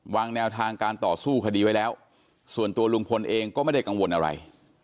วางแนวทางการต่อสู้คดีไว้แล้วส่วนตัวลุงพลเองก็ไม่ได้กังวลอะไร